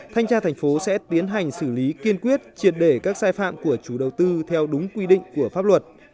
thanh tra thành phố sẽ tiến hành xử lý kiên quyết triệt để các sai phạm của chủ đầu tư theo đúng quy định của pháp luật